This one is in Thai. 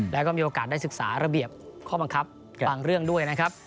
แล้วก็มีโอกาสได้ศึกษาระเบียบข้อบังคับบางเรื่องด้วยนะครับ